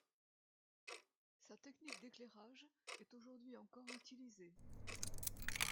Sa technique d'éclairage est aujourd'hui encore utilisée.